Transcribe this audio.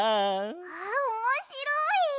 わあおもしろい！